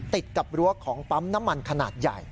ติดกับรั้วของปั๊มน้ำมันขนาดใหญ่